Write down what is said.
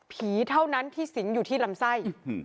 เท่านั้นที่สิงอยู่ที่ลำไส้